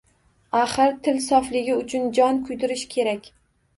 Axir, til sofligi uchun jon kuydirish kerak.